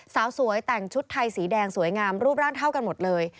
สาวสวยแต่งชุดไทยสีแดงสวยงามรูปร่างเท่ากันหมดเลย